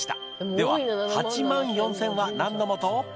では８万４０００は何のモト？